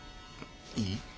いい？